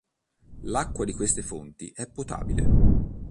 L'acqua di queste fonti è potabile.